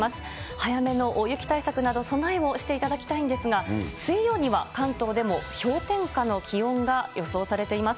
早めの大雪対策など、備えをしていただきたいんですが、水曜には関東でも氷点下の気温が予想されています。